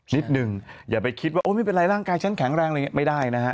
นิดนึงอย่าไปคิดว่าโอ้ไม่เป็นไรร่างกายฉันแข็งแรงอะไรอย่างนี้ไม่ได้นะฮะ